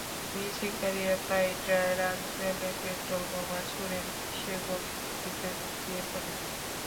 মিছিলকারীরা প্রায়ই টায়ারে আগুন জ্বালিয়ে, পেট্রলবোমা ছুড়ে নিমেষে গলিঘুঁচিতে লুকিয়ে পড়ে।